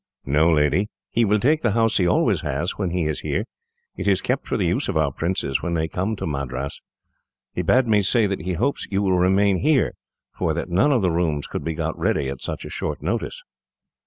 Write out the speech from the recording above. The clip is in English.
"No, lady, he will take the house he always has, when he is here. It is kept for the use of our princes, when they come down to Madras. He bade me say that he hopes you will remain here, for that none of the rooms could be got ready, at such a short notice.